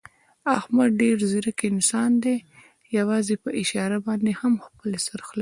احمد ډېر ځیرک انسان دی، یووازې په اشاره باندې هم خپل سر خلاصوي.